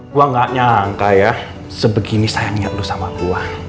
gua gak nyangka ya sebegini sayangnya lo sama gua